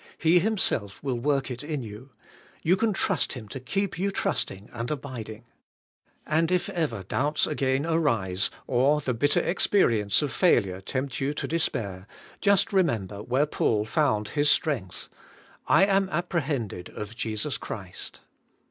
He Himself will work it in you. You can trust Him to keep you trusting and abiding. And if ever doubts again arise, or the bitter experience of failure tempt you to despair, just re member where Paul found His strength : 'I am appre hended of Jesus Christ.